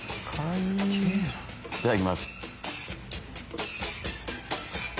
いただきます。